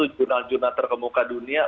jurnal jurnal terkemuka dunia